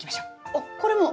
あっこれも？